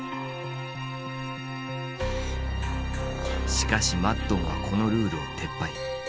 しかしマッドンはこのルールを撤廃。